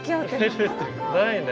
ないね。